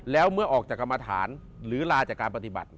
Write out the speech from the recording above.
แล้วเมื่อออกจากกรรมฐานหรือลาจากการปฏิบัติ